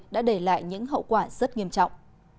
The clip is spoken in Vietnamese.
đã để lại những hậu quả rất nghiêm trọng